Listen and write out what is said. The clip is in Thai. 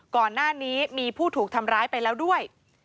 ก่อนหน้านี้มีผู้ถูกทำร้ายไปแล้วด้วย